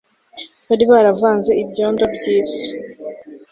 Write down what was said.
bari baravanze ibyondo by'isi